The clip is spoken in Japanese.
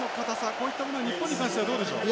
こういったものは日本に関してはどうでしょう？